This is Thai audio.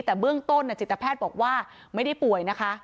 แต่เบื้องต้นจิตแพทย์บอกว่าไม่ได้ป่วยนะคะ